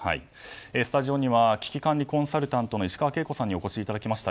スタジオには危機管理コンサルタントの石川慶子さんにお越しいただきました。